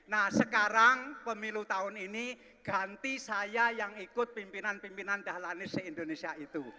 nah sekarang pemilu tahun ini ganti saya yang ikut pimpinan pimpinan dahlanis di indonesia itu